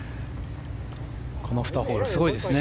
この２ホールすごいですね。